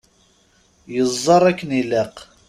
Yeẓẓar akken ilaq.